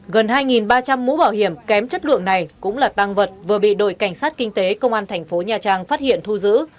gần hai ba trăm linh mũ bảo hiểm kém chất lượng này cũng là tăng vật vừa bị đội cảnh sát kinh tế công an thành phố nha trang phát hiện thu giữ